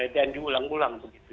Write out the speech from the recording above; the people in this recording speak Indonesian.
dan diulang ulang begitu